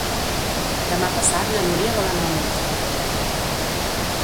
Demà passat na Núria vol anar al metge.